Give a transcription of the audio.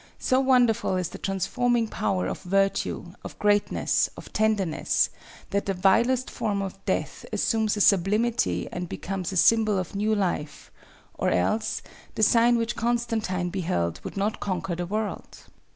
So wonderful is the transforming power of virtue, of greatness, of tenderness, that the vilest form of death assumes a sublimity and becomes a symbol of new life, or else—the sign which Constantine beheld would not conquer the world!